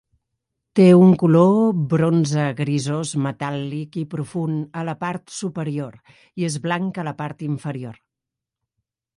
Té un color bronze grisós metàl·lic i profund a la part superior i és blanc a la part inferior.